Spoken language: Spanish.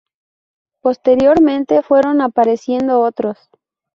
Posteriormente fueron apareciendo otros.